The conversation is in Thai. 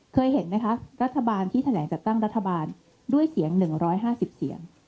เคยเห็นนะคะรัฐบาลที่แถลงจัดตั้งรัฐบาลด้วยเสียงหนึ่งร้อยห้าสิบเสียง